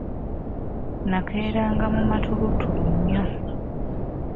Nakeeranga mu mattuluttulu nnyo.